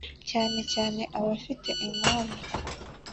cyane cyane abafite impanvu